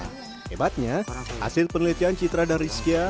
hebatnya hasil penelitian citra dan rizqia